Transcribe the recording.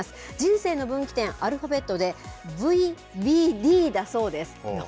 人生の分岐点、アルファベットでＶＢＤだそうです。